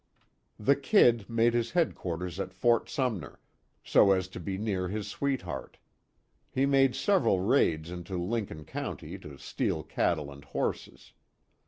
The "Kid" made his headquarters at Fort Sumner, so as to be near his sweetheart. He made several raids into Lincoln County to steal cattle and horses.